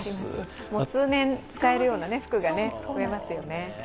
通年使えるような服が増えますよね。